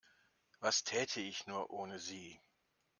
Was täte ich nur ohne Sie?